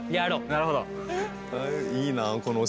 なるほど。